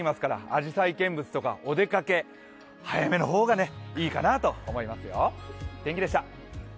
あじさい見物とかお出かけ、早めの方がいいかなと思いますよ。